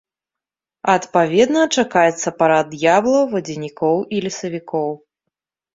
Адпаведна чакаецца парад д'яблаў, вадзянікоў і лесавікоў.